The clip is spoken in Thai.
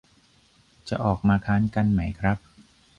จะออกมาค้านกันไหมครับ